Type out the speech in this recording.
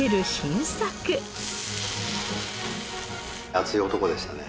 熱い男でしたね。